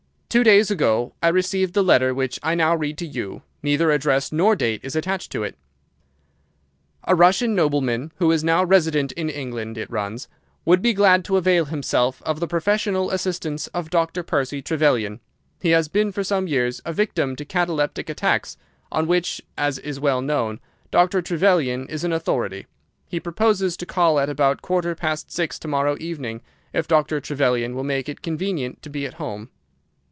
Two days ago I received the letter which I now read to you. Neither address nor date is attached to it. "'A Russian nobleman who is now resident in England,' it runs, 'would be glad to avail himself of the professional assistance of Dr. Percy Trevelyan. He has been for some years a victim to cataleptic attacks, on which, as is well known, Dr. Trevelyan is an authority. He proposes to call at about quarter past six to morrow evening, if Dr. Trevelyan will make it convenient to be at home.